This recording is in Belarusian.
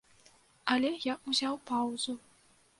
Але я ўзяў паўзу.